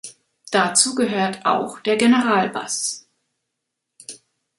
Dazu gehört auch der Generalbass.